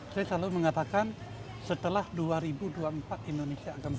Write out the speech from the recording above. saya selalu mengatakan setelah dua ribu dua puluh empat indonesia akan maju